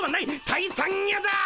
「退散や」だ！